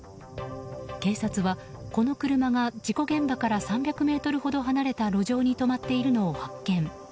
警察はこの車が事故現場から３００ｍほど離れた路上に止まっているのを発見。